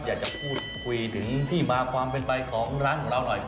อยากจะพูดคุยถึงที่มาความเป็นไปของร้านของเราหน่อย